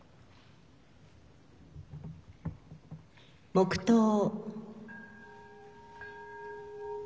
黙とう。